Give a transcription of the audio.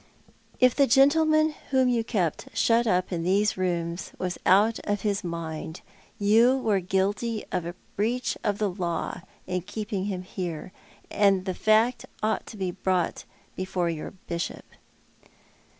" If the gentleman whom you kept shut up in these rooms was out of his mind you were guilty of a breach of the law in keeping him here, and the fact ought to be brought before your Bishop."